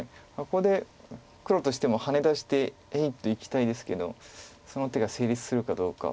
ここで黒としてもハネ出して「えいっ！」といきたいですけどその手が成立するかどうか。